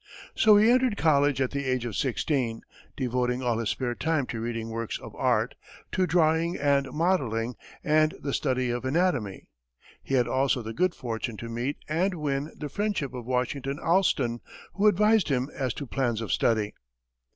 So he entered college at the age of sixteen, devoting all his spare time to reading works of art, to drawing and modelling, and the study of anatomy. He had also the good fortune to meet and win the friendship of Washington Allston, who advised him as to plans of study.